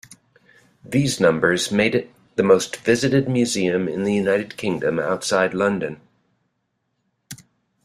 These numbers made it the most visited museum in the United Kingdom outside London.